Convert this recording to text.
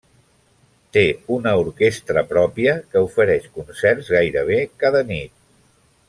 Té una orquestra pròpia que ofereix concerts gairebé cada nit.